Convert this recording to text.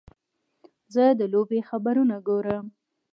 زه د لوبې خبرونه ګورم.